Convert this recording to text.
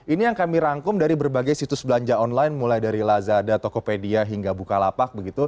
ini yang kami rangkum dari berbagai situs belanja online mulai dari lazada tokopedia hingga bukalapak begitu